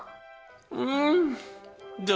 うん！